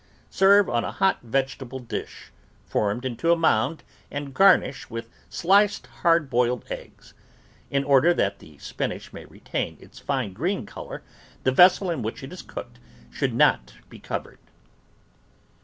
Serve on a hot vegetable dish, formed into a mound and garnished with sliced hard boiled eggs. In order that the spinach may retain its fine green colour, the vessel in which it is cooked should not be covered.